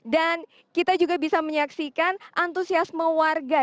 dan kita juga bisa menyaksikan antusiasme warga